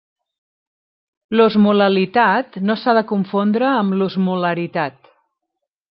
L'osmolalitat no s'ha de confondre amb l'osmolaritat.